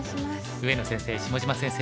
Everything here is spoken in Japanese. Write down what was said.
上野先生下島先生